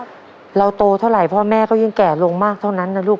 เราโตเท่าไหร่พ่อแม่ก็ยิ่งแก่ลงมากเท่านั้นนะลูก